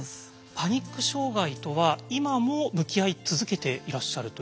パニック障害とは今も向き合い続けていらっしゃるという。